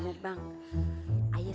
jangan jangan untuk surat tuh